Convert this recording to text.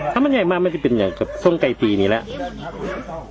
ถ้ามันใหญ่มากไม่ใช่เหมือนส้มไก่ตีนี่หรอ